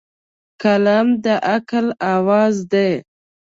قلم د عقل اواز دی